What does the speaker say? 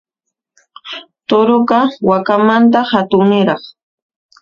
Turuqa, wakamanta hatunniraq.